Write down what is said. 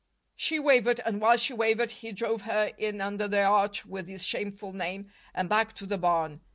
She wavered, and while she wavered he drove her in under the arch with the shameful name, and back to the barn.